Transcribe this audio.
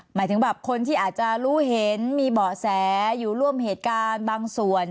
หมายถึงแบบคนที่อาจจะรู้เห็นมีเบาะแสอยู่ร่วมเหตุการณ์บางส่วน